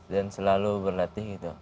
dan selalu berlatih gitu